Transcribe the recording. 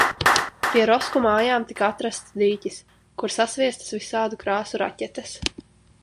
Pie Rosku mājām tika atrasts dīķis, kur sasviestas visādu krāsu raķetes.